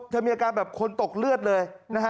เธอมีอาการแบบคนตกเลือดเลย